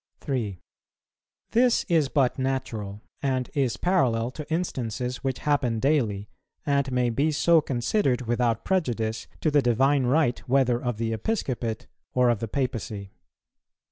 3. This is but natural, and is parallel to instances which happen daily, and may be so considered without prejudice to the divine right whether of the Episcopate or of the Papacy.